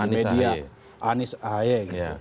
di media anis ahe